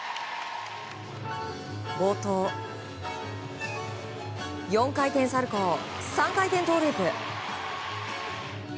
冒頭、４回転サルコウ３回転トウループ。